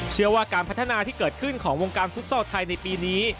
เชื่อว่าการพัฒนาที่เกิดขึ้นของวงการฟุตซอลไทยในปีนี้